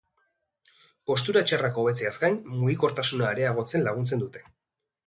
Postura txarrak hobetzeaz gain, mugikortasuna areagotzen laguntzen dute.